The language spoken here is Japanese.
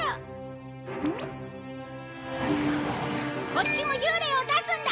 こっちも幽霊を出すんだ！